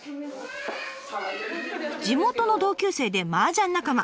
地元の同級生でマージャン仲間。